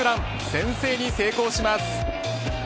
先制に成功します。